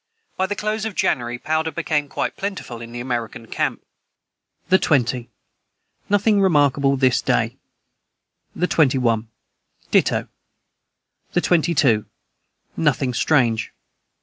By the close of January, powder became quite plentiful in the American camp.] the 20. Nothing remarkable this day. the 21. Ditto. the 22. Nothing strange.